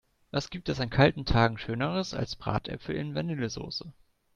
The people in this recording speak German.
Was gibt es an kalten Tagen schöneres als Bratäpfel in Vanillesoße!